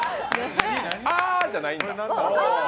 「あ」じゃないんだよ。